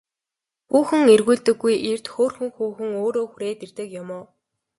Хүүхэн эргүүлдэггүй эрд хөөрхөн хүүхэн өөрөө хүрээд ирдэг юм уу?